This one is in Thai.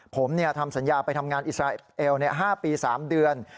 ผมทำสัญญาไปทำงานอิสราเอล๕ปี๓เดือน